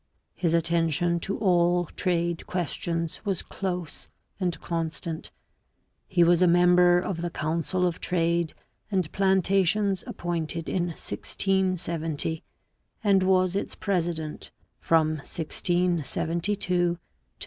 His attention to all trade questions was close and constant; he was a member of the council of trade and plantations appointed in 1670, and was its president from 1672 to 1676.